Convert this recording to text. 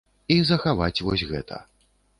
І захаваць вось гэта.